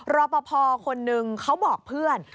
รอปภคนนึงเขาบอกเพื่อน